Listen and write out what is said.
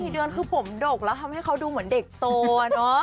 ๔เดือนคือผมดกแล้วทำให้เขาดูเหมือนเด็กโตเนอะ